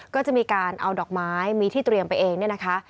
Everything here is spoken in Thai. ก็จะมีการเอาดอกไม้มีที่เตรียมไปเองเนี่ยนะคะ